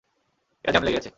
এটা জ্যাম লেগে গেছে।